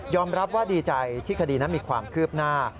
รับว่าดีใจที่คดีนั้นมีความคืบหน้า